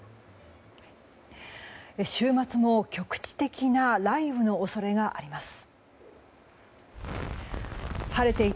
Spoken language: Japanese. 週末も局地的な雷雨の恐れがあります。